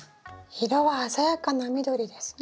色は鮮やかな緑ですね。